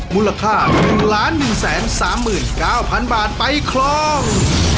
มูลค่า๑๑๓๙๐๐๐บาทไปคลอง